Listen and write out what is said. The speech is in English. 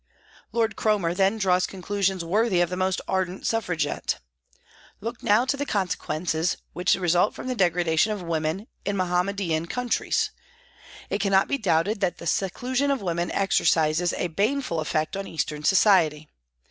Lord Cromer then draws conclusions worthy of the most ardent Suffragette :" Look now to the consequences which result from the degradation of women in Mahomedan countries. It cannot be doubted that the seclusion of women exercises a baneful effect on Eastern society.